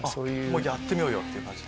「やってみようよ」っていう感じ？